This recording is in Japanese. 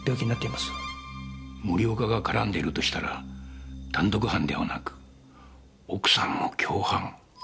森岡が絡んでいるとしたら単独犯ではなく奥さんも共犯。